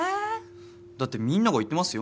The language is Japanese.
だってみんなが言ってますよ。